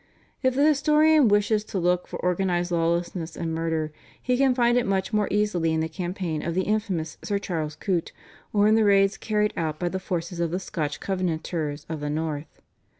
If the historian wishes to look for organised lawlessness and murder he can find it much more easily in the campaign of the infamous Sir Charles Coote or in the raids carried out by the forces of the Scotch Covenanters of the North.